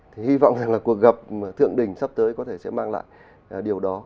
thì hy vọng rằng là cuộc gặp thượng đình sắp tới có thể sẽ mang lại điều đó